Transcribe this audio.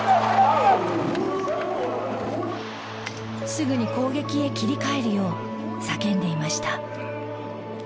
すぐに攻撃へ切り替えるよう叫んでいました。